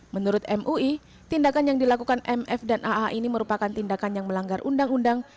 menurut mui tindakan yang dilakukan mf dan aa ini merupakan tindakan yang melanggar undang undang